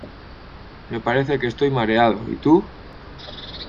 Me parece que estoy mareado, ¿y tú?